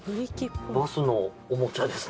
バスのおもちゃですね。